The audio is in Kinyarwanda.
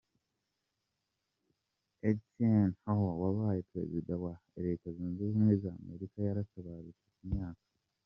Eisenhower, wabaye perezida wa wa Leta zunze ubumwe za Amerika yaratabarutse, ku myaka .